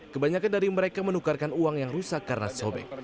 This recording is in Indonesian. kebanyakan dari mereka menukarkan uang yang rusak karena sobek